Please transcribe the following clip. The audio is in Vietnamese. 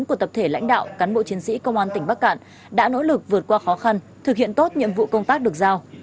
của tập thể lãnh đạo cán bộ chiến sĩ công an tỉnh bắc cạn đã nỗ lực vượt qua khó khăn thực hiện tốt nhiệm vụ công tác được giao